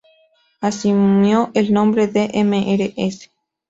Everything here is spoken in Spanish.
Asumió el nombre de "Mrs.